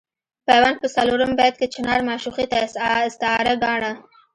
پیوند په څلورم بیت کې چنار معشوقې ته استعاره ګاڼه.